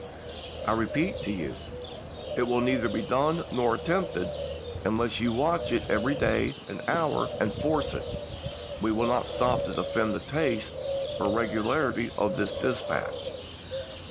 I repeat to you, it will neither be done nor attempted, unless you watch it every day and hour, Lincoln to ,*',„ Grant. Ms. and force it." We will not stop to defend the taste or regu larity of this dispatch.